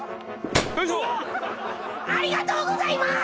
ありがとうございます！